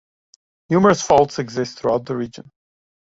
Numerous faults exist throughout the region.